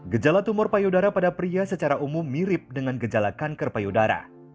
gejala tumor payudara pada pria secara umum mirip dengan gejala kanker payudara